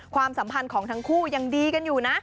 ความสัมพันธ์ของทั้งคู่ยังดีกันอยู่นะ